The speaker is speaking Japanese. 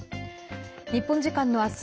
日本時間の明日